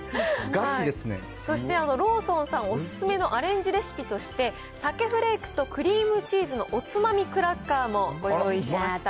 そしてローソンさんお勧めのアレンジレシピとして、鮭フレークとクリームチーズのおつまみクラッカーもご用意しました。